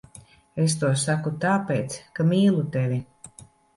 Es to saku tāpēc, ka mīlu tevi.